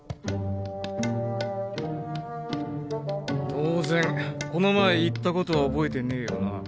当然この前言ったことは覚えてねぇよな？